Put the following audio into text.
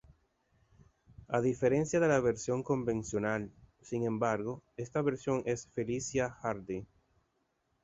A diferencia de la versión convencional, sin embargo, esta versión es Felicia Hardy.